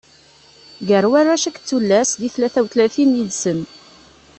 Gar warrac akked tullas, di tlata utlatin yid-sen.